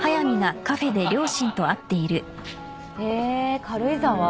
え軽井沢？